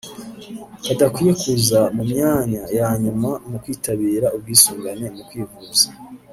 kadakwiye kuza mu myanya ya nyuma mu kwitabira ubwisunganne mu kwivuza